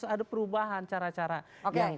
ada perubahan cara cara yang